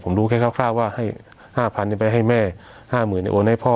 ผมรู้แค่ว่าให้ห้าพันไปให้แม่๕๐๐๐๐เนี้ยโอนให้พ่อ